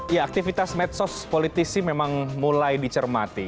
ya aktivitas medsos politisi memang mulai dicermati